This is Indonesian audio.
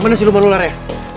mana sih lu malulah rea